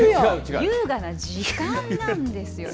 優雅な時間なんですよね。